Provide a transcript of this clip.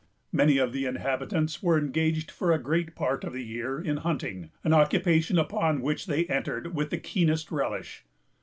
Many of the inhabitants were engaged for a great part of the year in hunting; an occupation upon which they entered with the keenest relish.